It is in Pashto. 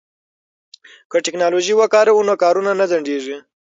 که ټیکنالوژي وکاروو نو کارونه نه ځنډیږي.